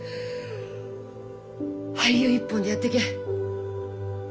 俳優一本でやってけ。